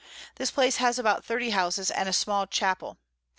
This Place has about 30 Houses, and a small Chappel.